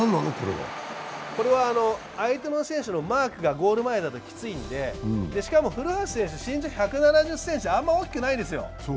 これは相手の選手のマークがゴール前だときついんで、しかも古橋選手、身長１７０ｃｍ、あんま大きくないですよ。